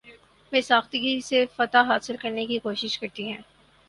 بے ساختگی سے فتح حاصل کرنے کی کوشش کرتی ہیں